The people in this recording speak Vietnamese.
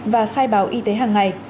và khai báo y tế hàng ngày